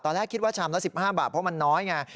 ตอนแรกคิดว่าชามละ๑๕บาทเพราะมันน้อยไง